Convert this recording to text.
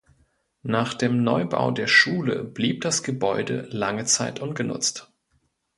Nach dem Neubau der Schule blieb das Gebäude lange Zeit ungenutzt.